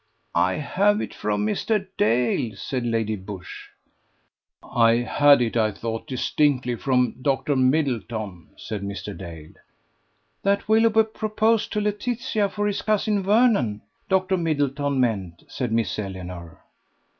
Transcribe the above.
"I have it from Mr. Dale," said Lady Busshe. "I had it, I thought, distinctly from Dr. Middleton," said Mr. Dale. "That Willoughby proposed to Laetitia for his cousin Vernon, Doctor Middleton meant," said Miss Eleanor.